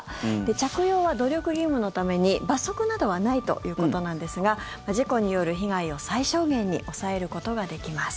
着用は努力義務のために罰則などはないということなんですが事故による被害を最小限に抑えることができます。